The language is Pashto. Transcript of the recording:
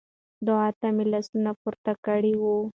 دعا ته مې لاسونه پورته کړي وو.